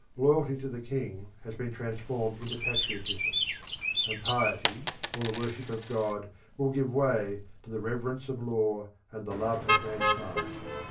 Loyalty to the king has been transformed into patriotism; and piety, or the worship of God, will give way, to the reverence of law and the love of mankind.